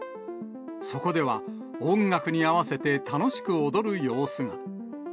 そこでは、音楽に合わせて楽しく踊る様子が。